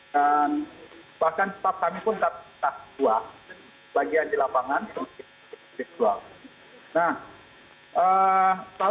dan bahkan setelah kami pun tak kuat bagian di lapangan itu virtual